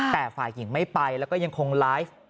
แต่ฝ่ายหญิงไม่ไปแล้วก็ยังคงไลฟ์